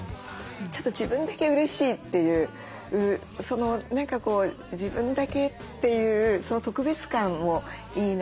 ちょっと自分だけうれしいという何かこう自分だけっていうその特別感もいいなと思って。